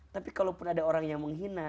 tapi kalau pun ada orang yang menghina